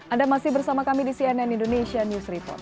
anda masih bersama kami di cnn indonesia news report